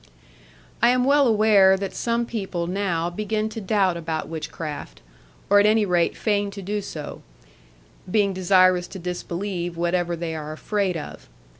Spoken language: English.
I am well aware that some people now begin to doubt about witchcraft; or at any rate feign to do so; being desirous to disbelieve whatever they are afraid of.